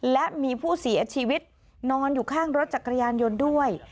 และมีผู้เสียชีวิตนอนอยู่ข้างรถจักรยานยนต์ด้วย